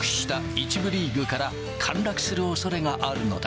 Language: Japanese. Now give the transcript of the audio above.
１部リーグから陥落するおそれがあるのだ。